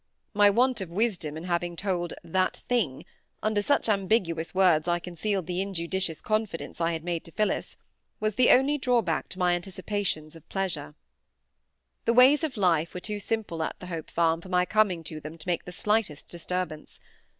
My want of wisdom in having told "that thing" (under such ambiguous words I concealed the injudicious confidence I had made to Phillis) was the only drawback to my anticipations of pleasure. The ways of life were too simple at the Hope Farm for my coming to them to make the slightest disturbance.